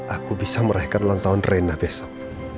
aku bisa meraihkan ulang tahun rena besok